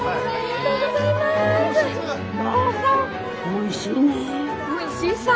おいしいさ。